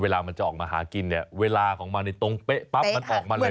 เวลามันจะออกมาหากินเนี่ยเวลาของมันในตรงเป๊ะปั๊บมันออกมาเลย